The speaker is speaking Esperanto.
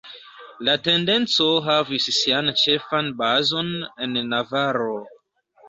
La tendenco havis sian ĉefan bazon en Navaro.